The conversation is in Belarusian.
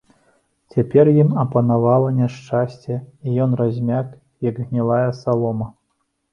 Цяпер ім апанавала няшчасце, і ён размяк, як гнілая салома.